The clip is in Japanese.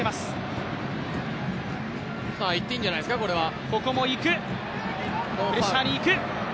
いっていいんじゃないですか、これは。